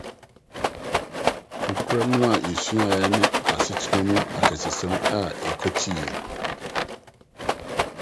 Nokware no a Yesuae ne Asetram Akɛsesɛm a Yɛkwatii